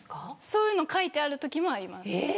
そういうの書いてあるときもあります。